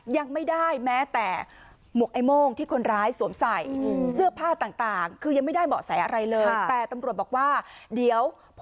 ยังไม่ได้แม้แต่หมวกไอโมงที่คนร้ายสวมใส่